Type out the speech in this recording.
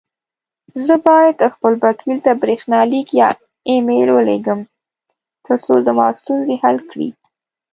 زه بايد خپل وکيل ته بريښناليک يا اى ميل وليږم، ترڅو زما ستونزي حل کړې.